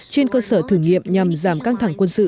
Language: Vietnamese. trên cơ sở thử nghiệm nhằm giảm căng thẳng quân sự